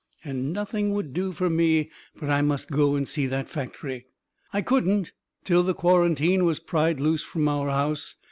And nothing would do fur me but I must go and see that factory. I couldn't till the quarantine was pried loose from our house.